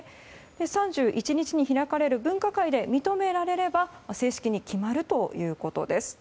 ３１日に開かれる分科会で認められれば正式に決まるということです。